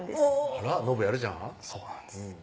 あらっのぶやるじゃんそうなんです